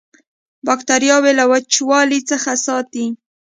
باکتریاوې له وچوالي څخه ساتي.